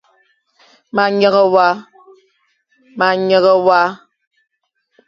Ma nyeghe wa.